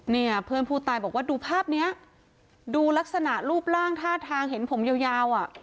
เนี่ยเพื่อนผู้ตายบอกว่าดูภาพเนี้ยดูลักษณะรูปร่างท่าทางเห็นผมยาวยาวอ่ะ